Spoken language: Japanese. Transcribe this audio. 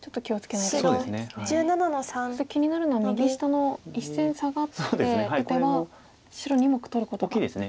そして気になるのは右下の１線サガって打てば白２目取ることができますね。